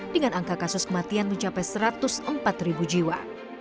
dengan angka kasus kematian mencapai satu ratus empat ribu jiwa